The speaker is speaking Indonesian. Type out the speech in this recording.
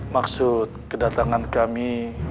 maksud kedatangan kami